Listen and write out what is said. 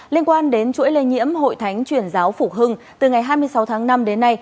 liên quan đến chuỗi lây nhiễm hội thánh chuyển giáo phủ hưng từ ngày hai mươi sáu tháng năm đến nay